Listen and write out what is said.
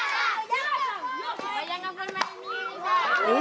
お！